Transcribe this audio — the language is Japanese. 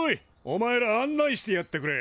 お前ら案内してやってくれ。